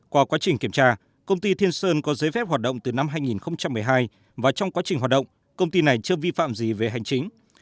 qua quá trình kiểm tra công ty thiên sơn có giấy phép hoạt động từ năm hai nghìn một mươi hai và trong quá trình hoạt động công ty này chưa vi phạm gì về hành chính